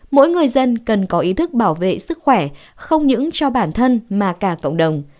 mỗi người dân cần có ý thức bảo vệ sức khỏe không những cho bản thân mà cả cộng đồng